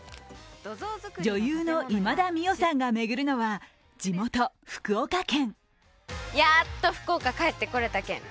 女優の今田美桜さんが巡るのは地元・福岡県。